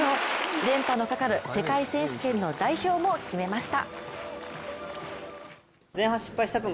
連覇のかかる世界選手権の代表も決めました。